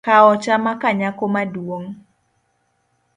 Kaocha makanyako maduong’